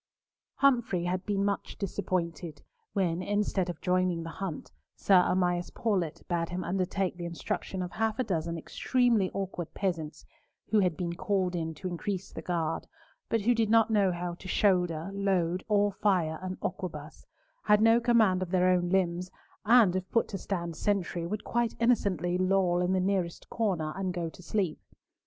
Humfrey had been much disappointed, when, instead of joining the hunt, Sir Amias Paulett bade him undertake the instruction of half a dozen extremely awkward peasants, who had been called in to increase the guard, but who did not know how to shoulder, load, or fire an arquebus, had no command of their own limbs, and, if put to stand sentry, would quite innocently loll in the nearest corner, and go to sleep.